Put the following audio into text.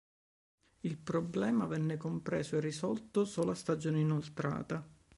Il problema venne compreso e risolto solo a stagione inoltrata.